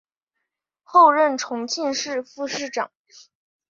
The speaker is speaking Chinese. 后任重庆市副市长。